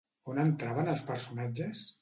On entraven els personatges?